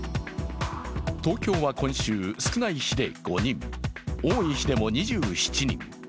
東京は今週、少ない日で５人、多い日でも２７人。